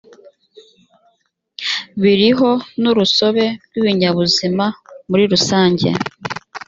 biriho n urusobe rw ibinyabuzima muri rusange